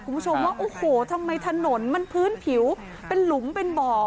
คุณผู้ชมว่าโอ้โหทำไมถนนมันพื้นผิวเป็นหลุมเป็นบ่อ